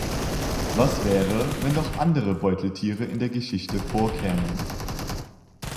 Was wäre, wenn noch andere Beuteltiere in der Geschichte vorkämen?